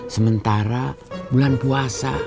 sementara bulan puasa